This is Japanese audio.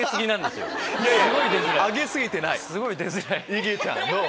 いげちゃんどう？